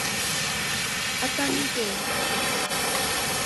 熱海城